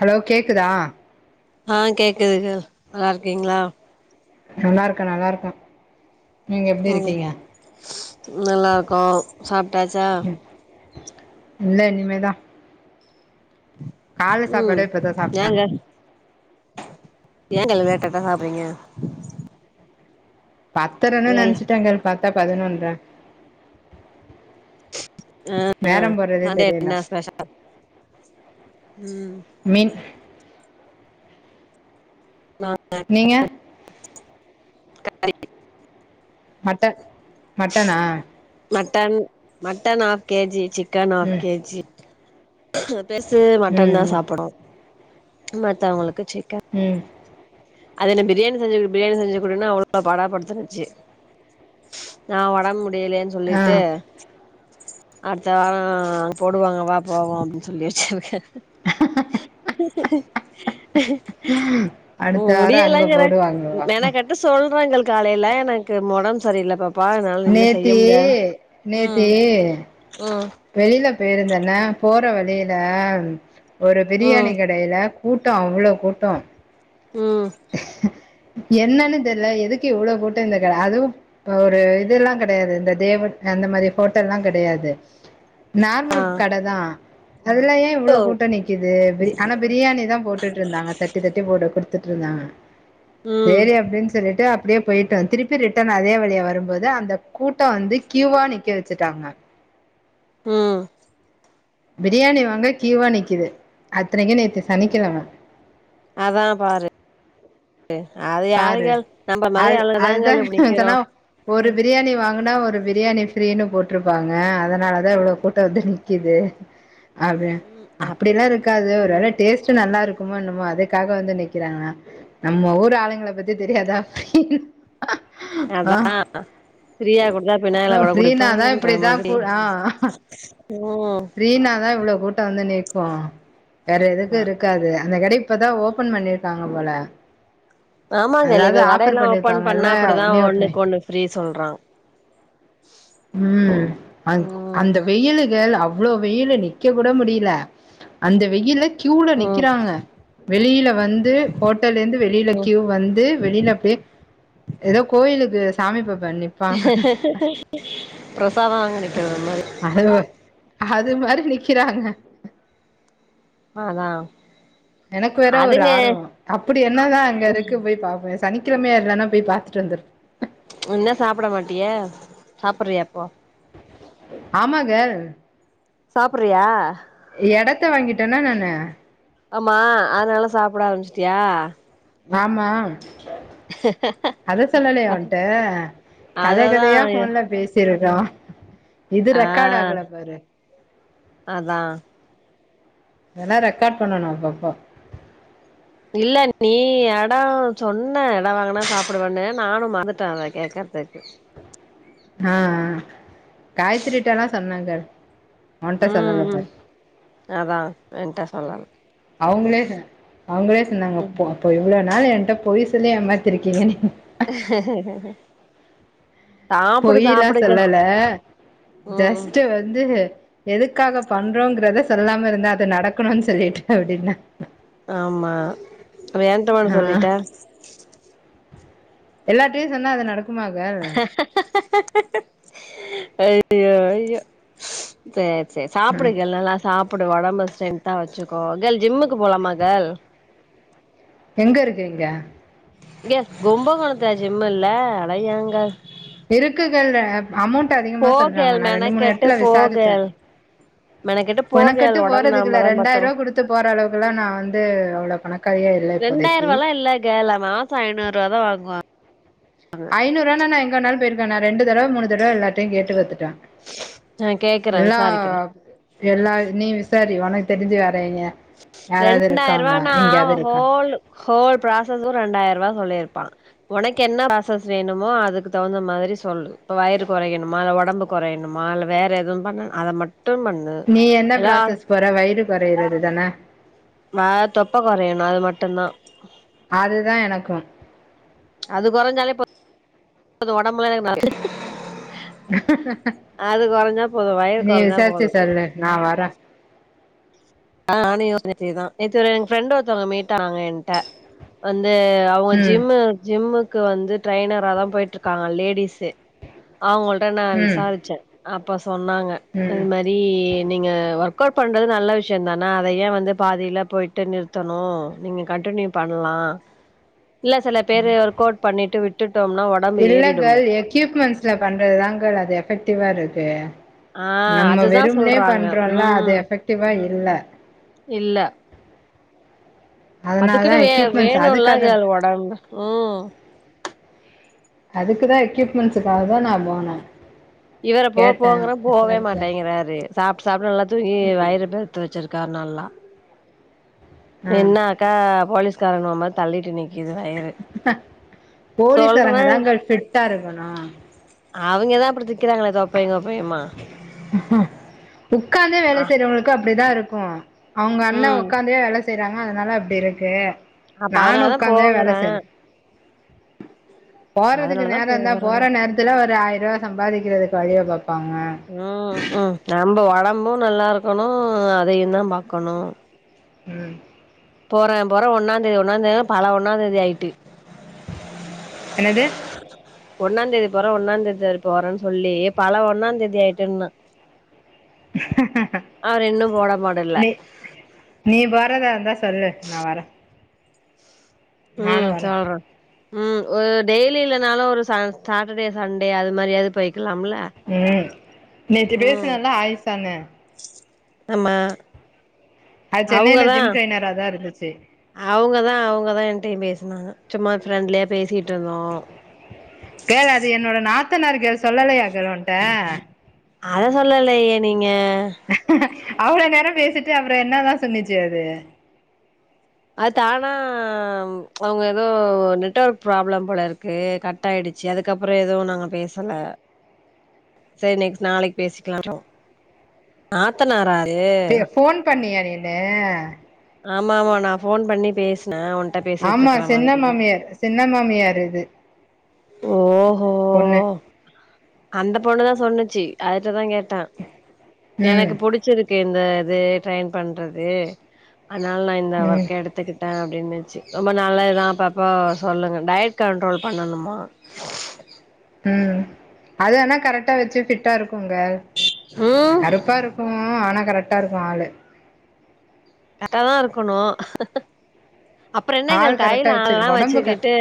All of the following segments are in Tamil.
ஹலோ கேக்குதா ஆ கேக்குதுங்க நல்லா இருக்கீங்களா நல்லா இருக்க நல்லா இருக்கோ ம் நல்லா இருக்கோ சாப்ட்டாச்சா ம் இல்ல இனிமேதா கால்ல ம் சாப்பாடே இப்பதா சாப்ட்டே ஏங்க ஏங்கழுத லேட்டா சாப்றீங்க பத்தரன்னு வேல நினைச்சட்டங்கள் பாத்தா பதினொன்ற ஆ ஆ நேரம் போறதே சண்டே தெரியல அப்டினா ஸ்பெஷல் ம் மீன் நீங்க நாங்க மட்ட மட்டனா mutton mutton half KG chicken half ம் கேஜி பெருசு ம் மட்டன்தா ம் சாப்பிடு மத்தவுங்களுக்கு சிக்கன் ம் அது என்ன பிரியாணி செஞ்சு குடு பிரியாணி செஞ்சு குடுன்னு அவ்ளோ படாப்படுத்துனுச்சு நா ஒடம்பு முடியலேன்னு ஆ சொல்லிட்டு அடுத்த வாரோ அங்க போடுவாங்க வா போவோ அப்டின்னு சொல்லி வச்சிருக்கே அடுத்த வார அங்க முடியலங்குறே போடுவாங்கவா மெனக்கட்டு சொல்றேங்கள் காலையில எனக்கு மொடம் சரியில்ல பாப்பா என்னால நின்னு செய்ய நேத்தி முடியா நேத்தி ம் வெளில போயிருந்தேன்னா போற வழியில ஒரு பிரியாணி ம் கடையில கூட்டோ அவ்ளோ கூட்டோ ம் என்னன்னு தெர்ல எதுக்கு இவ்ளோ கூட்டோ இந்த கட அதுவு ஒரு இதெல்லா கெடையாது இந்த தேவ அந்த மாரி ஹோட்டல்லா கெடையாது ஆ நார்மல் கடதா அதுல்ல ஏ இவ்ளோ ஓ கூட்டோ நிக்குது ஆனா பிரியாணிதா போட்டுட்டு இருந்தாங்க தட்டி தட்டி போட்டு ட்ருந்தாங்க ம் சேரி அப்டின்னு சொல்லிட்டு அப்டியே போயிட்டோ திருப்பி ரிட்டர்ன் அதே வழியா வரும்போது அந்த கூட்டோ வந்து க்யூவா நிக்க வெச்சுட்டாங்க ம் பிரியாணி வாங்க க்யூவா நிக்குது அத்தனைக்கு நேத்து சனிக்கிழம அதான் பாரு அது பாரு யாருகள் நம்ப மாரி அது அதுதா ஆளுங்கதாங்கள் இப்டி நிக்கிறோ சொன்னா ஒரு ம் பிரியாணி வாங்குனா ஒரு பிரியாணி ஃப்ரீனு போட்ருப்பாங்க அதுனாலதா இவ்வளோ கூட்டோ வந்து நிக்குது அதா ம் அப் அப்படில்லா இருக்காது ஒரு ம் வேள டேஸ்ட்டு நல்லா இரு க்குமோ என்னமோ அதுக்காக வந்து நிக்கிறாங்கா நம்ம ஊர் ஆளுங்கள பத்தி தெரியாதா ஆ அதா ஃப்ரீயா குடுத்தா ஃபினாயல கூட ஃப்ரீனாதா குடிப்பாங்கென்ற இப்டிதா கூ மாதிரி ஆ ம் ஃப்ரீனாதா இவ்ளோ கூட்டோ வந்து நீக்கு வேற எதுக்கு ஆமா இருக்காது அந்த கட இப்பதா ஓப்பன் பண்ணிருக்காங்க போல ஆமாங்கலி அதாவது ஆஃபர் கடையெல்லா ஓப்பன் பண்ணா பண்ணிருப்பாங்கல்ல அப்படிதா நியூ ஓப்பனு ஒண்ணுக்கு ஒண்ணு ஃப்ரீ சொல்றா ம் அ ம் அந்த வெயிலுகேள் அவ இவ்ளோ வெயில்ல நிக்க கூட முடில அந்த வெயில்ல க்யூல ம் நிக்குறாங்க வெளில வந்து ஹோட்டெல்லருந்து வெளில க்யூ வந்து வெளில பேய் ஏதோ கோயிலுக்கு சாமி பாப்ப நிப்பாங்க ப்ரசாதம் வாங்க நிக்குற மாரி அது அது மாரி நிக்கிறாங்க அதா எனக்கு வேற ஒரு அதுங்க ஆர்வ அப்புடி என்னதா அங்கருக்கு போய் பாப்பே சனிக்கிழமையா இல்லன்னா போய் பாத்தட்டு வந்துரு ஒன்னா சாப்பிட மாட்டியா சாப்புட்றியா இர ப்போ ஆமா கேர்ல் சாப்புட்றியா எடத்த வாங்கிட்டேனா நானு ஆமா அதனால சாப்ட ஆரம்பிச்சிட்டியா வாமா அத சொல்லலையா ஒன்ட கத அததா கதயா ஃபோன்ல பேசி றோ இது ஆ ரெக்கார்டு ஆகல பாரு அதா வேன்னா ரெக்கார்ட் பண்ணணும் அப்பப்போ இல்ல நீ எட சொன்ன எட வாங்கனா சாப்பிடுவண்ணு நானு மறந்துட்டே அத கேக்குறதுக்கு அ அ காய்த்றிட்டல்லா சொன்னாங்க ஒன்டா ம் ம் சொல்லலபார் அதா என்ட்ட சொல்லல அவுங்ளே அவுங்ளே சொன்னாங்க அப்போ அப்ப இவ்ளோ நாள் என்ட்ட பொய் ஏமாத்திருக்கீங்க நீ சாப்புடு பொய்லா சாப்புடுக்க சொல்லல ம் ஜஸ்டு வந்து எதுக்காக பண்றோங்றத சொல்லாம இருந்தே அது நடக்கணும்ன்னு சொல்லிட்டு அப்டின்னா ஆமா அப்ப ஏன்ட மட்டு சொல்லிட்ட எல்லார்டையு சொன்னா அது நடக்குமா கேர்ல் ஐயோ ஐயோ சேரி சேரி சாப்புடுங்க எல் நல்லா சாப் புடு ஒடம்ப ஸ்ட்ரென்த்தா வச்சுக்கோ கேர்ல் ஜிம்முக்கு போலாமா கேர்ல் எங்க இருக்கு இங்க இங்க கும்பகோணத்துல ஜிம் இல்ல அட ஏ கேர்ல் இருக்கு கேர்ல் அமௌண்ட் அதிகமா போ சொல்றாங்க கேர்ள் நா ரெண்டு மூணு மெனக்கெட்டு எடத்துல போ விசாரிச்சே கேர்ள் மெனக்கெட்டு போ பணக்கட்டு கேர்ள் ஒடம்பு போறதுக்குல்ல நாமதா ரெண்டாய்ருவா பாத்துக்கணு குடுத்து போற அளவுக்குலா நா வந்து அவ்ளோ பணக்காரி ரெண்டாய்ருவாலா இல்ல கேர்ல் மாச ஐநூரூவாதா வாங்குவாங் ஐநூருவா நா எங்க வேணாலு போயிருப்பே நா ரெண்டு தடவ மூணு தடவ எல்லத்தையு கேட்டு பாத்து நா கேக்குறே எல்லா விசாரிக்கிறே எல்லா நீ விசாரி ஒனக்கு தெரிஞ்சு வேற ரெண்டாய்ருவானா எங்கேயாவது இருக்காங்க ஹோல் ஹோல் ப்ராசஸும் ரெண்டாய்ருவா சொல்லிருப்பா ஒனக்கென்னா ப்ராசஸ் வேணுமோ அதுக்கு தவுந்த மாதிரி சொல்லு இப்ப வயிறு கொறைக்கணுமா இல்ல ஒடம்பு கொறையணுமா வேற எதுவு பண்ணனு அத மட் நீ என்ன ப்ராசஸ் போற வயிறு கொறையறது தானே வ தொப்ப கொறையணு அது மட்டும்தா அதுதான் எனக்கும் அது கொறைஞ்சாலே போதும் ஒடம்புல எனக்கு அது கொறைஞ்சா போது வயிறு நீ கொறைஞ்சா விசாரிச்சு போது சொல்லு நான் வரேன் அ நானு யோசிச்சே நேத்து இதா நேத்து எ ப்ரென்டு ஒருத்தவங்க மீட் ஆனாங்க எண்ட வந் து அவுங்க ம் ஜிம்மு ஜிம்முக்கு வந்து ட்ரெய்னராதா போய்ட்டுருக்காங்க லேடிஸு அவங்கள்ட்ட நா ம் விசாரிச்சே அப்ப சொன்னாங்க ம் இது மாரி நீங்க ஒர்க் அவுட் பண்றது நல்ல விஷ யம் தானா அத ஏ வந்து பாதில போய்ட்டு நிறுத்தணு நீங்க கண்டின்யூ பண்லா இல்ல சில பேரு ஒர்க் அவுட் பண்ணிட்டு விட் இல்ல கேல் எக்யூப்மெண்ட்ஸ்ல பண்றது தாங்கள் அது எஃபெக்டிவா இருக்கு ஆ நம்ம அதுதா வெறும்னே சொல்றாங்க பண்றோல அது ம் எஃபெக்டிவா இல்ல இல்ல அதனால அதுக்குன்னு தான் வே எக்யூப்மெண்ட்ஸ் வேணுல்லா அதுக்காக கேல் உடம்பு ம் அதுக்குதா எக்யூப்மெண்ட்ஸக்காக தா நா போனே இவர போ போங்கற போவே மாட்டேங்கிறாரு சாப்ட்டு சாப்ட்டு நல்லாத்தூங்கி வயிறபெருத்து வச்சிருக் க நல்லா ஆ நின்னாக்கா போலீஸ்காரனுவ மாரி தள்ளிட்டு நிக் சொல்றே போலீஸ்காரங்க தா கேல் ஃபிட்டா இருக்கணு அவைங்க தா அப்டி நிக்கிறாங்களே தொப்பைங் கொப்பைம்மா உட்காந்தே வேல ஆ செய்றவங்களுக்கு அப்டிதா இருக்கு அவங்க அண்ண ம் உக்காந்தே வேல செய்றாங்க அதனால அப்டி இருக்கு அப்ப நானு அதனாலதா உட்காந்தே வேலை போங்கறே செய்றே போறதுக்கு அதனாலதா நேர இருந்தா போங்கறே போற நேரத்துல ஒரு ஆயிரூவா சம்பாதிக்கிறதுக்கு வழிய பாப் ம் ம் நம்ம உடம்பும் நல்லா இருக்கணு அதையு தா பாக்கணு ம் போறே போறே ஒன்னாந் தேதி ஒன்னா தேதி பல ஒன்னா தேதி ஆயிட்டு என்னது ஒன்னா தேதி போறே ஒன்னாந்தேதி தேதி போறேன்னு சொல்லி பல ஒன்னா தேதி ஆயிட்டுன்னு அவரு இன்னு மாடல்ல நீ நீ போறத இருந்தா சொல்லு நா வரே நானு ம் வரே சொல்ற ம் ஒரு டெய்லி இல்லனாலு ஒரு ச சாட்டர்டே சண்டே அது மாரியாவது போய்க்கலாம்ல ம் நேத்து ம் பேசனல்லா ஆயிசான்னு ஆமா அது சென்னையல ஜிம் டிரெய்னர்ரா தா இருந்துச்சு அவங்கதா அவங்கதா என்டயு பேசுனாங்க சும்மா ஃப்ரெண்ட்லியா பேசிட் கேள் அது என்னோட நாத்தனார் கேள் சொல்லலையா கேள் உன்ட்ட அத சொல்லலையயே நீங்க அவ்ளோ நேர பேசிட்டு அப்ற என்னதா சொன்னிச்சு அது அது தானா அவங்க ஏதோ நெட்வொர்க் ப்ராப்ளம் போல இருக்கு கட் ஆயிடு ச்சு அதுக்கப்புற எதுவு நாங்க பேசல உஹ சரி நெக்ஸ்ட் நாளைக்கு பேசிக்கலா நாத்தனாரா அது போன் பண்ணியா நீனு ஆமா ஆமா நான் போன் பண்ணி பேஸ் ஆமா சின்ன மாமியார் சின்ன மா மியாருது ஓஹோ பொண்ணு அந்த பொண்ணு தா சொன்னுச்சு அதுட்ட தா கேட்டே ம் எனக்கு புடிச்சிருக்கு அந்த இது ட்ரெயின் பண்றது அதனால நா இந்த ம் ஒர்க்க எடுத்துக்கிட்டே அப்டின்னு ரொம்ப நல்லது தா அப்பப்போ சொல்லுங்கள் டயட் கண்ட்ரோல் பண்ணணுமா ம் அது வேனா கரெக்டா வச்சு ஃபிட்டா இருக்கு கு கேள் ம் கருப்பா இருக்கு ஆனா கரெக்டா இருக்கு ஆளு கரட்டாதா இருக்கணு அப்புற என்ன கேர்ள் ஆள் கையில கரெக்டா ஆலல்லா வச்சுக்கிட்டு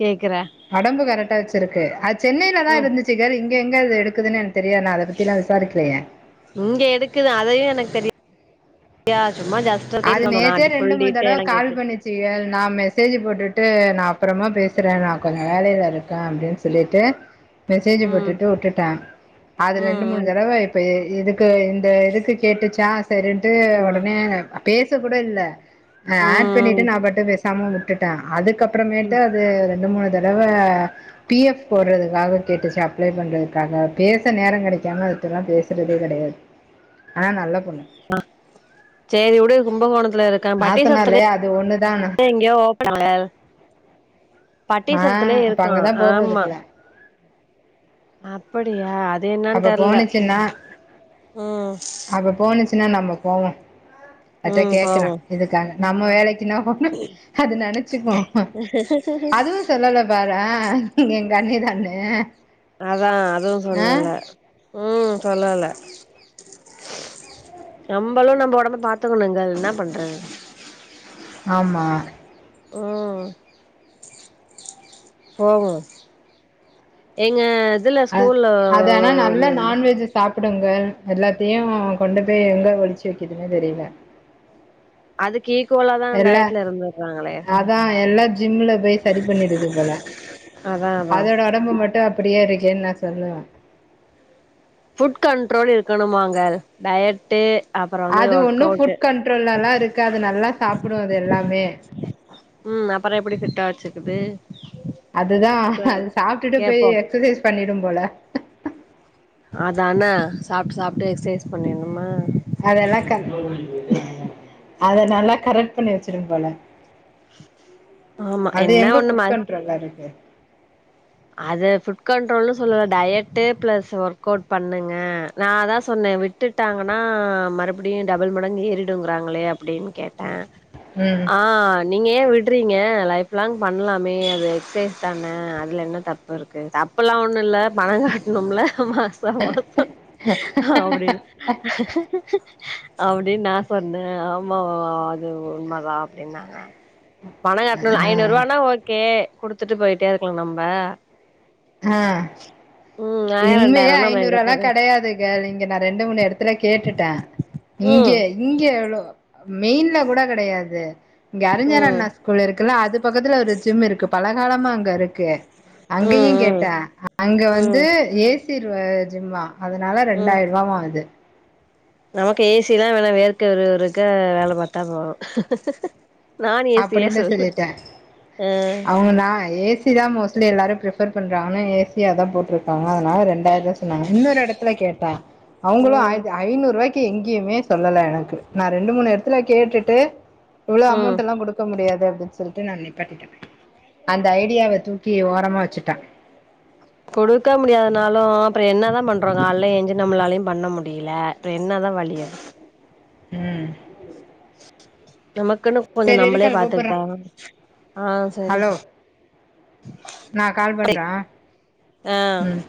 கேக்குற உடம்பு கரெக்டா வச்சிருக்கு அது சென்னையில தா ம் இருந்துச்சுக் கேள் இங்க இங்க எங்க இது எடுக்குதுன்னு என தெரியா ந அதை பத்தில்லா விசாரிக்கலையே இங்க எடுக்குது அதையு எனக்கு தெரியாது அது நேத்தே ரெண்டு மூணு தடவ கால் கேக்கல பண்ணிச்சு கேள் நான் மெசேஜ் போட்டுட்டு நா அப்றமா பேசுறேன் நான் கொஞ்சோ வேலையில இருக்க அப்டின்னு சொல்லிட்டு மெசேஜ் ம் போட்டுட்டு வுட்டுட்ட அது ம் ரெண்டு மூணு ம் தடவ இப்போ ஏ எதுக்கு இந்த இதுக்கு கேட்டுச்சா சரின்ட்டு ஆமா ஒடனே பேச கூட இல்ல ஆ ஆட் ம் பண்ணிட்டு நான் பாட்டுக்கு பேசாம வுட்டுட்ட ம் அதுக்கப்புறமேட்டு ம் அது ரெண்டு மூணு தடவ பி எஃப் போட்றதுக்காக கேட்டுச்சு அப்ளை பண்றதுக்காக பேச நேரம் கெடைக்காம அது ல்லாம் பேசுறதே கெடையாது ஆனா நல்ல பொண்ணு ஆ சேரி வுடு கும்பகோண ல இருக்க பட்டீஸ்வரத்துல நாத்தனார்லயே அது ஒண்ணுதா எங்கயோ ஓப்பன் லா ஆ பட்டீஸ்வரத்துலயே அப்ப இருக்கு அங்கதான் போகுது ஆமா போல அப்படியா அது என்னன்னு அப்ப தெர்ல போனுச்சுன்னா உம் சுனா நம்ம போவோம் அதுட்ட கேக்ற போவோ இதுக்காக நம்ம வேலைக்கு [unintelligible] அது நெனச்சுக்கு அதுவு சொல்லல பாரே எங்க அண்ணி தான அதான் அதுவு சொல்லல உம் சொல்லல நம்பளும் நம்ப ஒடம்ப பாரத்துக்கணுங்க என்ன பண்றது ஆமா ம் போவோ ஏங்க அ அது ஆனா நல்ல நான்வெஜ் சாப் பிடுங்க எல்லாத்தையும் கொண்டு போய் எங்க ஒழிச்சு வக்குதுன்னு தெரியல அதுக்கு ஈக்குவலா தா எல்லாம் டயட்ல இருந்துர்றாங்களே அதா எல்லாம் ஜிம்ல போய் சரி பண்ணிடுது போல அதா அதா அதோட ஒடம்பு மட்டும் அப்படியே இருக்கேன்னு நான் சொல்லுவேன் ஃபுட் கண்ட்ரோல் இருக்கணுமாங்க டயட்டு அப்புறோ வந்து அது ஒர்க் ஒண்ணு ஃபுட் அவுட்டு கண்ட்ரோல்ல எல்லாம் இருக்காது நல்லா சாப்டும் அது எல்லாமே உம் அப்ரோ எப்பிடி ஃபிட்டா வச்சிக்குது அதுதான் அது சாப்ட்டுட்டு போய் கேப்போ எக்சர்சைஸ் பண்ணிடும் போல அதான சாப்ட்டு சாப்ட்டு எக்சசைஸ் பண்ணிருணுமா அதெல்லா க அத நல்லா கரெக்ட் பண்ணி வச்சிரும் போல ஆமா அது என்ன எங்க ஒண்ணு ம ஃபுட் கண்ட்ரோல்ல இருக்கு அது ஃபுட் கண்ட்ரோல்ன்னு சொல்லல டயட்டு பிளஸ் ஒர்க் அவுட் பண்ணுங்க நான் அதா சொன்ன விட்டுட்டாங்கன்னா மறுபடியும் டபுள் மடங்கு ஏறிடுங்கிறாங்களே அப்பிடின் கெட் டா ம் ஆ நீங்க ஏ விடுறீங்க லைஃப் லாங் பண்ணலாமே அது எக்சசைஸ் தானே அதுல என்ன தப்பு இருக்கு தப்பல்லாம் ஒண்ணும் இல்ல பணம் கட்டணும்ல மாசம் மாசோ அப்டினு அப்டின்னு நா சொன்ன ஆமா அது உண்மதா அப்பிடின்னாங்க பணம் கட்டணும் ஆ ஐநூறு ரூவானா ஓகே குடுத்துட்டு போயிட்டே இருக்கலாம் நம்ப ஆ ம் ஆயிரோ இனிமேய ரெண்டாயிரோனா நம்ம ஐநூறு எங்க ரூவா எல்லாம் போறது கெடையாது கேள் இங்க நான் ரெண்டு மூணு எடத் த்துல கேட்டுட்ட ம் இங்கே இங்க ளோ மெயின்ல கூட கெடையாது இங்க அறிஞர் ம் அண்ணா ஸ்கூல் இருக்குல்ல அது பக்கத்துல ஒரு ஜிம் இருக்கு பல காலமா அங்க இருக் கு அங்கயும் ம் ம் கேட்ட அங்க வந்து ம் ஏசி ரு ஜிம்மா அதனால ம் ரெண்டாயிரூவா வாங்குது நமக்கு ஏ சிலாம் வேணா வேற்க விறுவிறுக்க வேல பாத்தா போதும் அப்பிடின்னு சொல்லிட்டேன் ஆ அவங்கனா ஏ சி தான் மோஸ்ட் ட்லி எல்லாரும் ப்ரிஃபர் பண்றாங்கன்னு ஏ சி யா தான் போட்டிருக்காங்க அதனால ரெண்டாயிர் ரூவா சொன்னாங்க இன்னொரு எடத்துல கேட்டே அவங்களும் ம் ஆயிது ஐநூரூவாய்க் கி எங்கேயுமே சொல்லல எனக்கு நான் ரெண்டு மூணு எடத்துல கேட்டுட்டு இவ்லோ அமௌண்ட் ம் டல்லா குடுக்க முடியாது வெச்சுருக நான் நிப்பாட்டிட்ட அந்த ஐடியாவ தூக்கி ஓரமா வச்சுட்ட கொடுக்க முடியாததுனாலும் அப்ரோ என்னதான் பண்றோங்க அல்ல எஞ்சு நம்மளாலையும் பண்ண முடியல அப்றம் என்ன தா வலிய ம் நமக்குனு கொஞ்ச சரி நம்மளே இருக்கேன் கூப்பிடுறேன் பாத்துக்கிட்டாதா ஆ சரி சிஸ் நா கால் பண்ற ஆ ம்